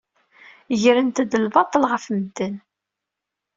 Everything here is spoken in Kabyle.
Grent-d lbaṭel ɣef medden.